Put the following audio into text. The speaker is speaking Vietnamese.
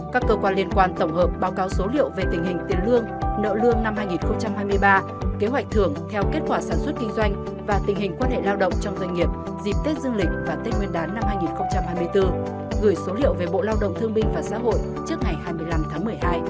các cơ quan liên quan tổng hợp báo cáo số liệu về tình hình tiền lương nợ lương năm hai nghìn hai mươi ba kế hoạch thưởng theo kết quả sản xuất kinh doanh và tình hình quan hệ lao động trong doanh nghiệp dịp tết dương lịch và tết nguyên đán năm hai nghìn hai mươi bốn gửi số liệu về bộ lao động thương minh và xã hội trước ngày hai mươi năm tháng một mươi hai